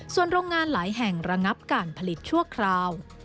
ส่วนโรงงานหลายแห่งระงับการผลิตชั่วคราว